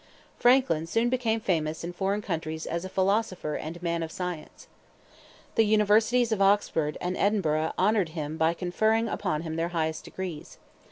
Franklin soon became famous in foreign countries as a philosopher and man of science. The universities of Oxford and Edinburgh honored him by conferring upon him their highest degrees.